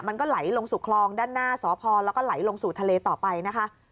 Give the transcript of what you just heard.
มันก็ไหลลงสู่คลองด้านหน้าสพแล้วก็ไหลลงสู่ทะเลต่อไปนะคะ